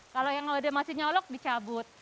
kalau yang udah masih nyolok dicabut